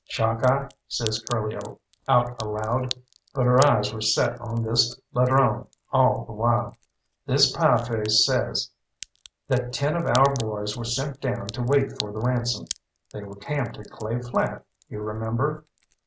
"Chalkeye," says Curly out aloud, but her eyes were set on this ladrone all the while. "This Pieface says that ten of our boys were sent down to wait for the ransom. They were camped at Clay Flat, you remember?"